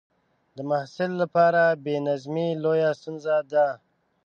د محصل لپاره بې نظمي لویه ستونزه ده.